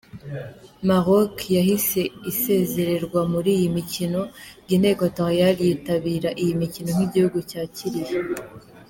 Maroc yahise isezererwa muri iyi mikino, Guinea Equatorial yitabira iyi mikino nk’igihugu cyakiriye.